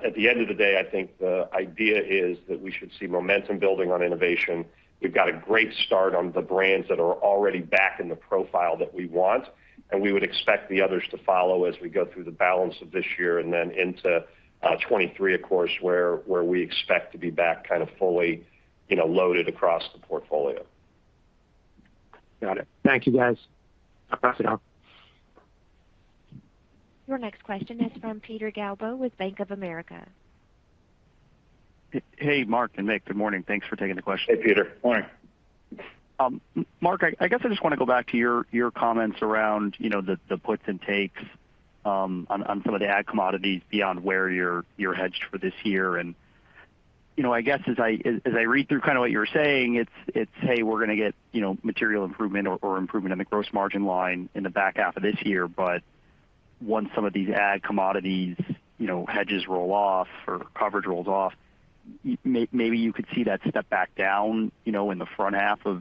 at the end of the day, I think the idea is that we should see momentum building on innovation. We've got a great start on the brands that are already back in the profile that we want, and we would expect the others to follow as we go through the balance of this year and then into 2023, of course, where we expect to be back kind of fully, you know, loaded across the portfolio. Got it. Thank you, guys. I'll pass it on. Your next question is from Peter Galbo with Bank of America. Hey, Mark and Mick, good morning. Thanks for taking the question. Hey, Peter. Morning. Mark, I guess I just want to go back to your comments around, you know, the puts and takes on some of the ag commodities beyond where you're hedged for this year. You know, I guess as I read through kinda what you were saying, it's, hey, we're gonna get, you know, material improvement or improvement in the gross margin line in the back half of this year. But once some of these ag commodities, you know, hedges roll off or coverage rolls off, maybe you could see that step back down, you know, in the front half of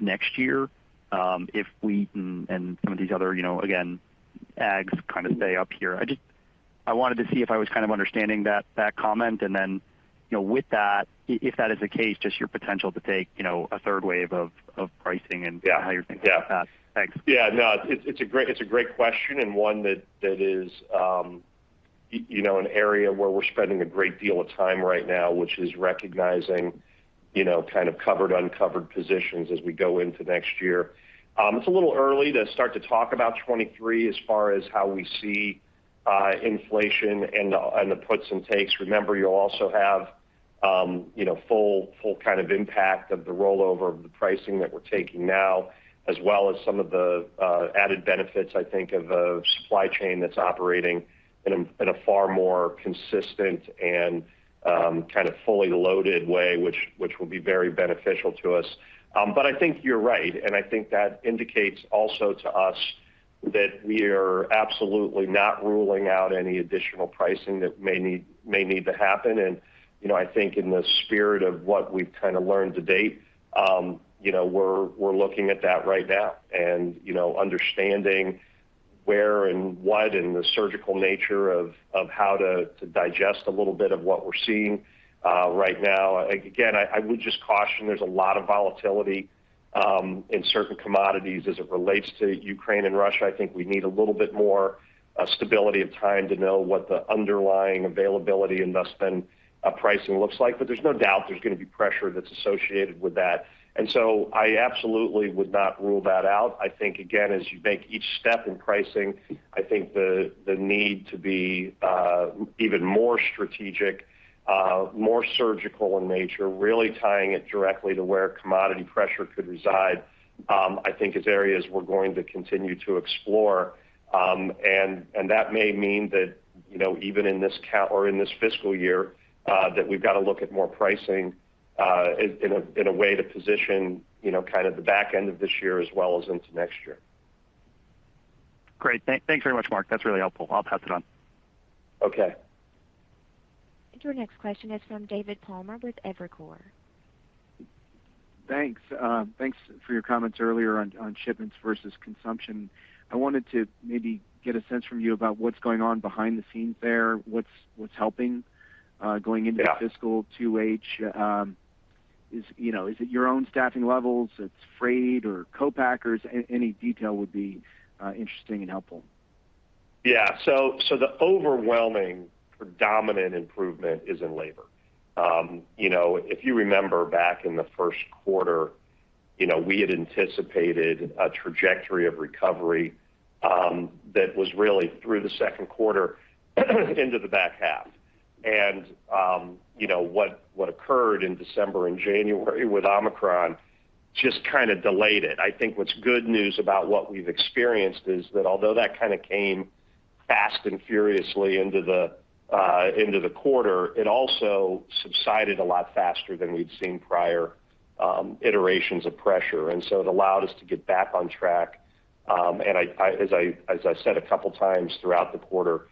next year, if wheat and some of these other, you know, again, ags kinda stay up here. I just wanted to see if I was kind of understanding that comment. You know, with that, if that is the case, just your potential to take, you know, a third wave of pricing and Yeah. how you're thinking about that. Thanks. Yeah, no. It's a great question and one that is, you know, an area where we're spending a great deal of time right now, which is recognizing, you know, kind of covered, uncovered positions as we go into next year. It's a little early to start to talk about 2023 as far as how we see inflation and the puts and takes. Remember, you'll also have, you know, full kind of impact of the rollover of the pricing that we're taking now, as well as some of the added benefits, I think, of a supply chain that's operating in a far more consistent and kind of fully loaded way, which will be very beneficial to us. I think you're right, and I think that indicates also to us that we are absolutely not ruling out any additional pricing that may need to happen. You know, I think in the spirit of what we've kinda learned to date, you know, we're looking at that right now and, you know, understanding where and what and the surgical nature of how to digest a little bit of what we're seeing right now. Again, I would just caution there's a lot of volatility in certain commodities as it relates to Ukraine and Russia. I think we need a little bit more stability of time to know what the underlying availability and thus then pricing looks like. There's no doubt there's gonna be pressure that's associated with that. I absolutely would not rule that out. I think, again, as you make each step in pricing, I think the need to be even more strategic, more surgical in nature, really tying it directly to where commodity pressure could reside, I think is areas we're going to continue to explore. That may mean that, you know, even or in this fiscal year, that we've got to look at more pricing in a way to position, you know, kind of the back end of this year as well as into next year. Great. Thanks very much, Mark. That's really helpful. I'll pass it on. Okay. Your next question is from David Palmer with Evercore. Thanks. Thanks for your comments earlier on shipments versus consumption. I wanted to maybe get a sense from you about what's going on behind the scenes there. What's helping going into- Yeah fiscal 2H, you know, is it your own staffing levels, it's freight or co-packers? Any detail would be interesting and helpful. Yeah. The overwhelming predominant improvement is in labor. You know, if you remember back in the first quarter, you know, we had anticipated a trajectory of recovery that was really through the second quarter into the back half. What occurred in December and January with Omicron just kinda delayed it. I think what's good news about what we've experienced is that although that kinda came fast and furiously into the quarter, it also subsided a lot faster than we'd seen prior iterations of pressure. It allowed us to get back on track, and as I said a couple of times throughout the quarter,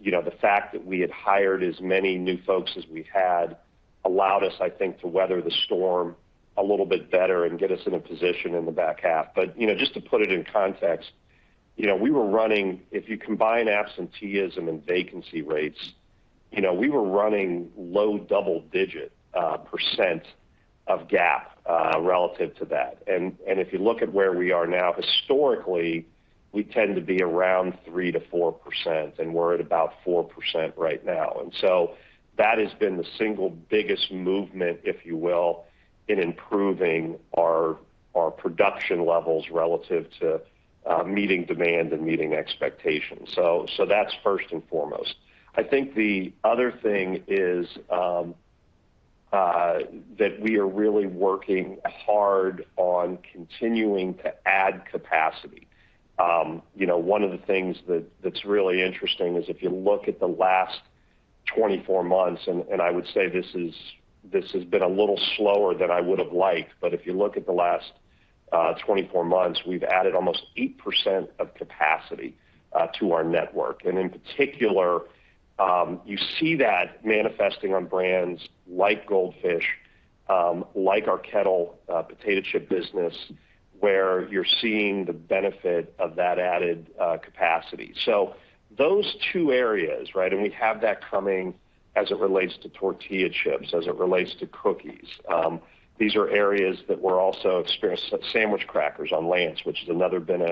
you know, the fact that we had hired as many new folks as we've had allowed us, I think, to weather the storm a little bit better and get us in a position in the back half. You know, just to put it in context, you know, if you combine absenteeism and vacancy rates, we were running low double-digit percent gap relative to that. If you look at where we are now, historically, we tend to be around 3%-4%, and we're at about 4% right now. That has been the single biggest movement, if you will, in improving our production levels relative to meeting demand and meeting expectations. That's first and foremost. I think the other thing is that we are really working hard on continuing to add capacity. You know, one of the things that's really interesting is if you look at the last 24 months, and I would say this has been a little slower than I would have liked, but if you look at the last 24 months, we've added almost 8% of capacity to our network. In particular, you see that manifesting on brands like Goldfish, like our Kettle potato chip business, where you're seeing the benefit of that added capacity. Those two areas, right, and we have that coming as it relates to tortilla chips, as it relates to cookies. These are areas that we're also experiencing sandwich crackers on Lance, which has been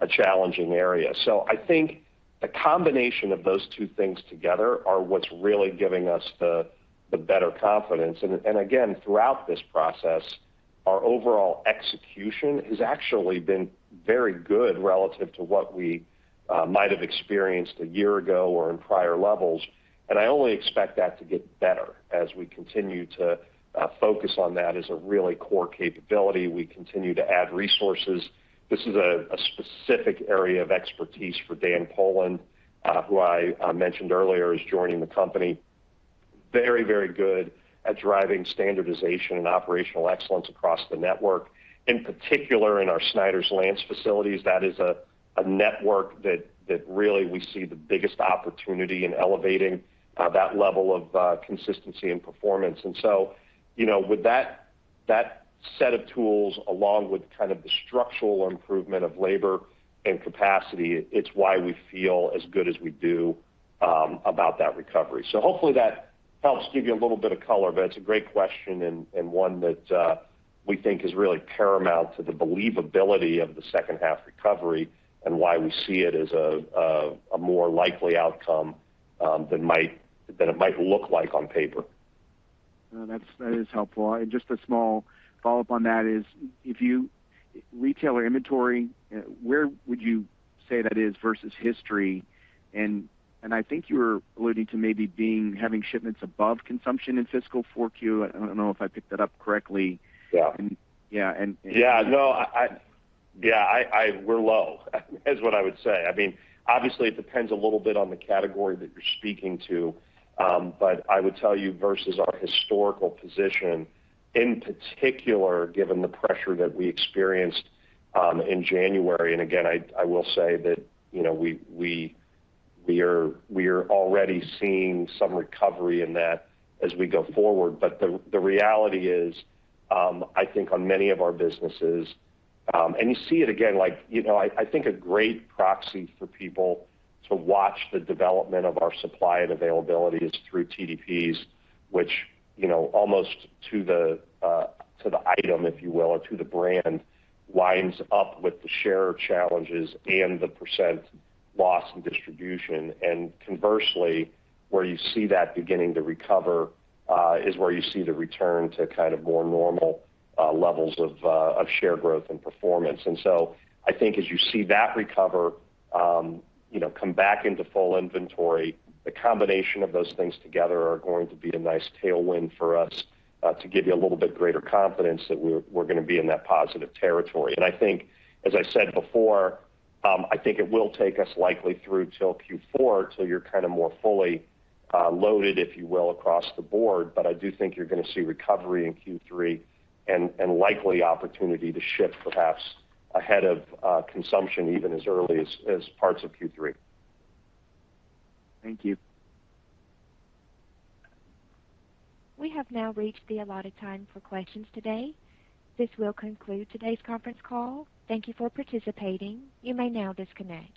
a challenging area. I think the combination of those two things together are what's really giving us the better confidence. Again, throughout this process, our overall execution has actually been very good relative to what we might have experienced a year ago or in prior levels. I only expect that to get better as we continue to focus on that as a really core capability. We continue to add resources. This is a specific area of expertise for Dan Poland, who I mentioned earlier is joining the company. Very, very good at driving standardization and operational excellence across the network, in particular in our Snyder's-Lance facilities. That is a network that really we see the biggest opportunity in elevating that level of consistency and performance. You know, with that set of tools, along with kind of the structural improvement of labor and capacity, it's why we feel as good as we do about that recovery. Hopefully that helps give you a little bit of color, but it's a great question and one that we think is really paramount to the believability of the second half recovery and why we see it as a more likely outcome than it might look like on paper. No, that's helpful. Just a small follow-up on that is retailer inventory, where would you say that is versus history? I think you were alluding to maybe having shipments above consumption in fiscal 4Q. I don't know if I picked that up correctly. Yeah. Yeah. Yeah. No, we're low is what I would say. I mean, obviously it depends a little bit on the category that you're speaking to, but I would tell you versus our historical position, in particular, given the pressure that we experienced in January, and again, I will say that, you know, we're already seeing some recovery in that as we go forward. But the reality is, I think on many of our businesses, and you see it again, like, you know, I think a great proxy for people to watch the development of our supply and availability is through TDPs, which, you know, almost to the item, if you will, or to the brand, lines up with the share challenges and the percent loss in distribution. Conversely, where you see that beginning to recover is where you see the return to kind of more normal levels of share growth and performance. I think as you see that recover, you know, come back into full inventory, the combination of those things together are going to be a nice tailwind for us to give you a little bit greater confidence that we're gonna be in that positive territory. I think, as I said before, I think it will take us likely through till Q4, till you're kinda more fully loaded, if you will, across the board. I do think you're gonna see recovery in Q3 and likely opportunity to ship perhaps ahead of consumption even as early as parts of Q3. Thank you. We have now reached the allotted time for questions today. This will conclude today's conference call. Thank you for participating. You may now disconnect.